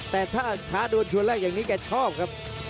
แต่ถ้าช้าโดนชวนแรกอย่างนี้แกชอบครับ